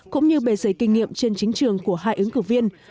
cũng như bề giấy kinh nghiệm trên chính trường của hai ứng cử viên